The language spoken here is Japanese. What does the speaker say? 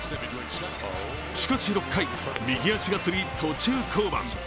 しかし６回、右足がつり途中降板。